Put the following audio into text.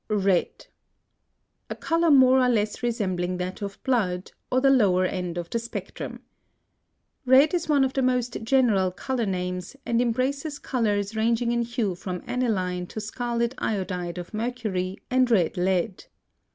RED. A color more or less resembling that of blood, or the lower end of the spectrum. Red is one of the most general color names, and embraces colors ranging in hue from aniline to scarlet iodide of mercury and red lead.